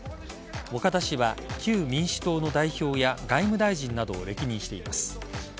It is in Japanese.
岡田氏は旧民主党の代表や外務大臣などを歴任しています。